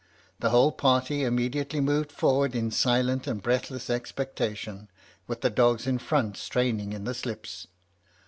The whole party immediately moved forward in silent and breathless expectation, with the dogs in front straining in the slips.